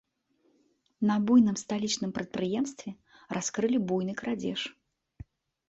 На буйным сталічным прадпрыемстве раскрылі буйны крадзеж.